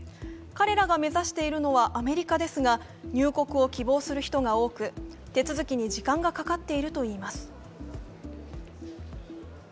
彼らが目指しているのはアメリカですが、入国を希望する人が多く手続きに時間がかかっているといいます。